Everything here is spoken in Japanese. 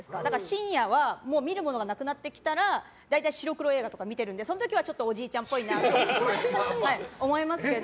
深夜はもう見るものがなくなってきたら大体、白黒映画とか見てるのでその時はちょっとおじいちゃんぽいなと思いますけど。